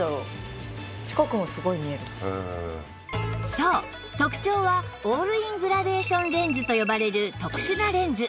そう特長はオールイングラデーションレンズと呼ばれる特殊なレンズ